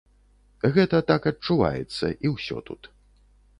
Гэта так адчуваецца, і ўсё тут.